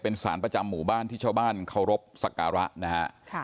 เป็นสารประจำหมู่บ้านที่ชาวบ้านเคารพสักการะนะฮะ